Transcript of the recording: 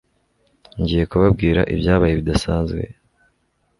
Ngiye kubabwira ibyabaye bidasanzwe